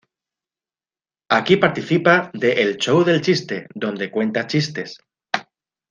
Aquí participa de "El Show del Chiste" donde cuenta chistes.